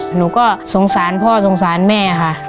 หนูก็สงสารพ่อสงสารแม่ค่ะ